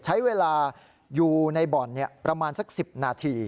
ใช้เวลาอยู่ในบ่อนประมาณสัก๑๐นาที